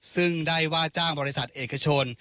ซึ่งได้ว่าจ้างบริษัทเอกชน